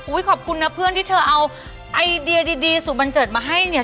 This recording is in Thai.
ขอบคุณนะเพื่อนที่เธอเอาไอเดียดีสุดบันเจิดมาให้เนี่ย